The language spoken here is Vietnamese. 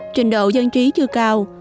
trình độ dân trí chưa cao